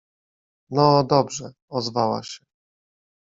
— No, dobrze! — ozwała się.